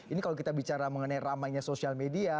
ini kalau kita bicara mengenai ramainya sosial media